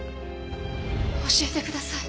教えてください。